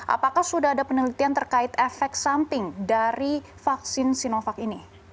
apakah sudah ada penelitian terkait efek samping dari vaksin sinovac ini